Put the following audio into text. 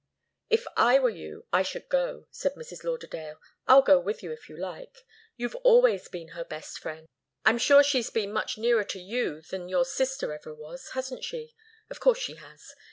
"If I were you, I should go," said Mrs. Lauderdale. "I'll go with you, if you like. You've always been her best friend. I'm sure she's been much nearer to you than your sister ever was, hasn't she? Of course she has.